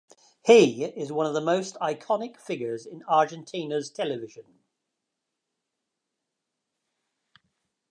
He is one of the most iconic figures in Argentina's television.